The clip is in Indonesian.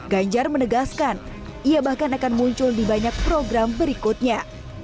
ganjar menegaskan ia bahkan akan muncul di banyak program berikutnya